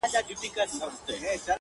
خدايه ما وبخښې په دې کار خجالت کومه!